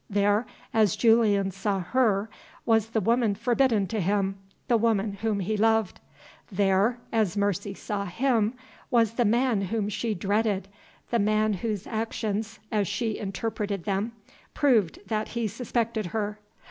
There as Julian saw her was the woman forbidden to him, the woman whom he loved. There as Mercy saw him was the man whom she dreaded, the man whose actions (as she interpreted them) proved that he suspected her.